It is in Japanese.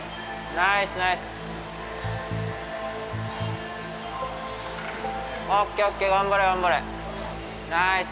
ナイスナイス！